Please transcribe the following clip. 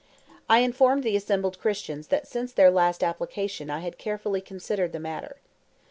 I informed the assembled Christians that since their last application I had carefully considered the matter.